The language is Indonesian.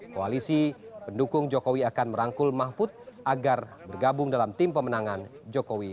koalisi pendukung jokowi akan merangkul mahfud agar bergabung dalam tim pemenangan jokowi